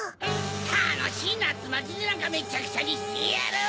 たのしいなつまつりなんかめちゃくちゃにしてやる！